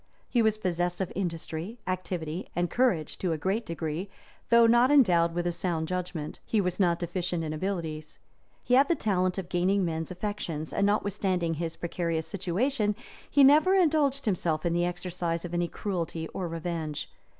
[*] He was possessed of industry, activity, and courage, to a great degree; though not endowed with a sound judgment, he was not deficient in abilities; he had the talent of gaining men's affections, and notwithstanding his precarious situation, he never indulged himself in the exercise of any cruelty or revenge.